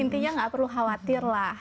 intinya nggak perlu khawatir lah